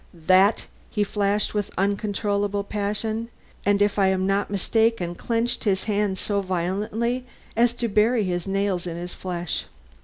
"That!" He flashed with uncontrollable passion, and if I am not mistaken clenched his hands so violently as to bury his nails in his flesh.